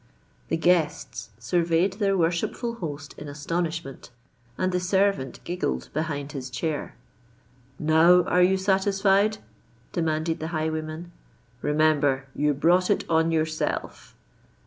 The guests surveyed their worshipful host in astonishment; and the servant giggled behind his chair.—"Now are you satisfied?" demanded the highwayman. "Remember, you brought it on yourself."